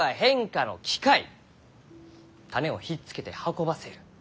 種をひっつけて運ばせる。